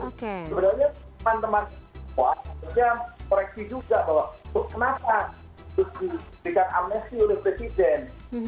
sebenarnya teman teman wah seharusnya koreksi juga bahwa kenapa diberikan amnesti oleh presiden